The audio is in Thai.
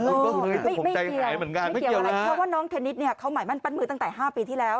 ไม่เกี่ยวไม่เกี่ยวอะไรเพราะว่าน้องเทนนิสเนี่ยเขาหมายมั่นปั้นมือตั้งแต่๕ปีที่แล้ว